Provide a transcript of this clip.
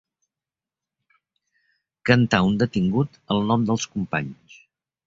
Cantar un detingut el nom dels companys.